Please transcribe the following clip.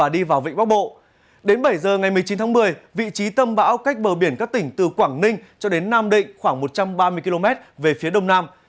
đến bảy giờ ngày một mươi chín tháng một mươi vị trí tâm bão cách bờ biển các tỉnh từ quảng ninh cho đến nam định khoảng một trăm ba mươi km về phía đông nam